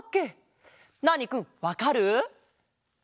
ナーニくんわかる？